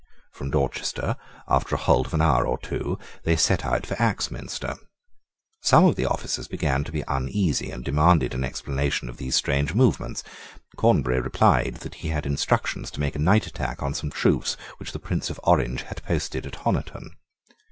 From Dorchester, after a halt of an hour or two, they set out for Axminster. Some of the officers began to be uneasy, and demanded an explanation of these strange movements. Cornbury replied that he had instructions to make a night attack on some troops which the Prince of Orange had posted at Honiton.